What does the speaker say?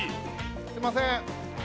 すいません。